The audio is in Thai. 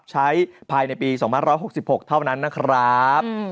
ใช้ภายในปี๒๑๖๖เท่านั้นนะครับ